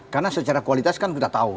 karena secara kualitas kan kita tahu